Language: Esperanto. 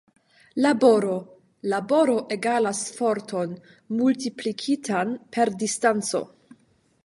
Laboro: Laboro egalas forton multiplikitan per distanco.